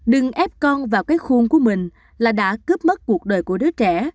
đừng ép con vào cái khuôn của mình là đã cướp mất cuộc đời của đứa trẻ